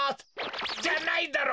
じゃないだろう！